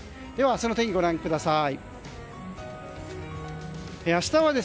明日の天気をご覧ください。